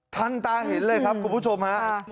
ทันตาเห็นเลยครับคุณผู้ชมฮะ